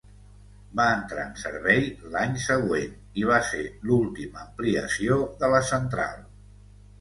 Va entrar en servei l'any següent i va ser l'última ampliació de la central.